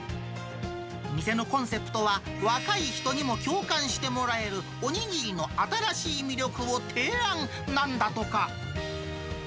店のコンセプトは、若い人にも共感してもらえる、お握りの新しい魅力を提案なんだとか。